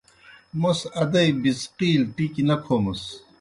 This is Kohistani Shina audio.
موْس ادَئی بِڅقِیلیْ ٹِکیْ نہ کھومَس۔